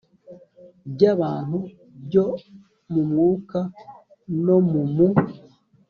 by abantu byo mu mwuka no mu mu